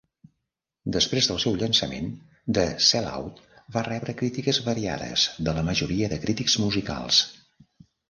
Després del seu llançament, "The Sellout" va rebre crítiques variades de la majoria de crítics musicals.